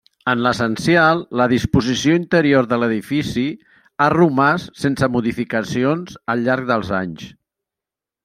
En l'essencial, la disposició interior de l'edifici ha romàs sense modificacions al llarg dels anys.